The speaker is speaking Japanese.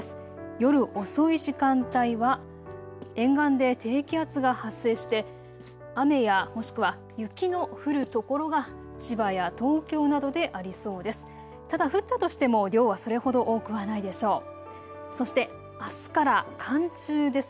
夜遅い時間帯は沿岸で低気圧が発生して雨や、もしくは雪の降る所が千葉や東京などでありそうです。